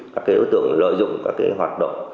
các đối tượng lợi dụng các hoạt động